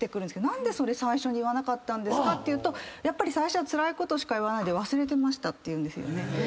何でそれ最初に言わなかったんですかって言うと最初はつらいことしか言わないで忘れてましたって言うんですよね。